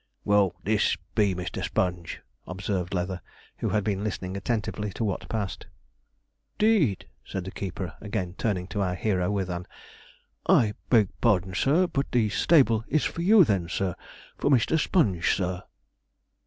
'Well, this be Mister Sponge,' observed Leather, who had been listening attentively to what passed. ''Deed!' said the keeper, again turning to our hero with an 'I beg pardon, sir, but the stable is for you then, sir for Mr. Sponge, sir.'